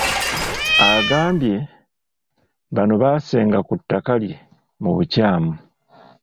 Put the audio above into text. Agambye bano baasenga ku ttaka lye mu bukyamu.